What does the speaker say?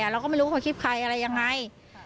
แล้วก็ไม่รู้คลิปใครอะไรยังไง